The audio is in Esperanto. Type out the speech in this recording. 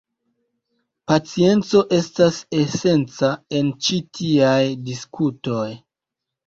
Pacienco estas esenca en ĉi tiaj diskutoj.